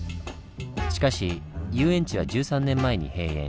しかし遊園地は１３年前に閉園。